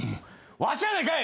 わしやないかい！